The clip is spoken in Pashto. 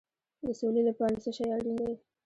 د سولې لپاره څه شی اړین دی؟